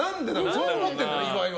そう思ってるの岩井は。